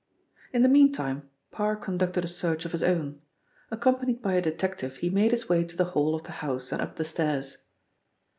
In the meantime Parr conducted a search of his own. Accompanied by a detective he made his way to the hall of the house and up the stairs.